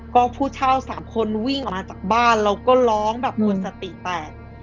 ก็ผู้เช่าสามคนวิ่งออกมาจากบ้านแล้วก็ร้องแบบคนสติแตก